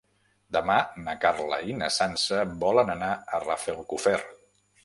Demà na Carla i na Sança volen anar a Rafelcofer.